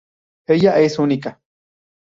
Ella es única.